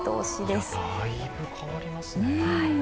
だいぶ変わりますね。